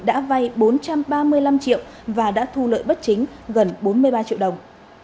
đã vay bốn trăm ba mươi năm triệu và đã thu lợi bất chính gần bốn mươi ba triệu đồng